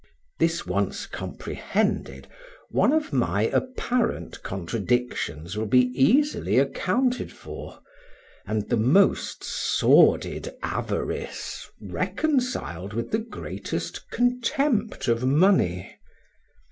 This once comprehended, one of my apparent contradictions will be easily accounted for, and the most sordid avarice reconciled with the greatest contempt of money.